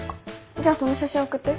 じゃその写真送って。